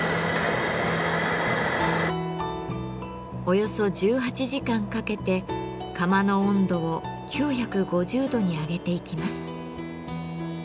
およそ１８時間かけて窯の温度を９５０度に上げていきます。